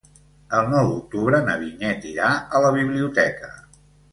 El nou d'octubre na Vinyet irà a la biblioteca.